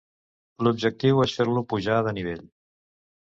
L'objectiu és fer-lo pujar de nivell.